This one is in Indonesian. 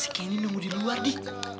sekian ini nunggu di luar di